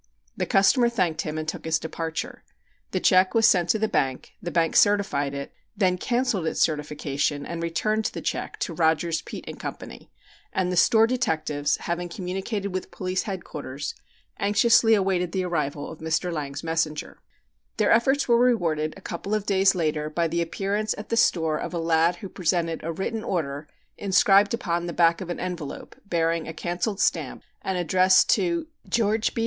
The customer thanked him and took his departure. The check was sent to the bank, the bank certified it, then cancelled its certification and returned the check to Rogers, Peet & Company, and the store detectives, having communicated with Police Headquarters, anxiously awaited the arrival of Mr. Lang's messenger. [Illustration: FIG. 1. Envelope on the back of which Parker's forged order was written.] Their efforts were rewarded a couple of days later by the appearance at the store of a lad who presented a written order (Fig. 1 and Fig. 2) inscribed upon the back of an envelope bearing a cancelled stamp and addressed to Geo. B.